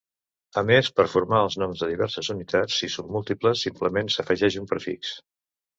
A més, per formar els noms de diverses unitats i submúltiples simplement s'afegeix un prefix.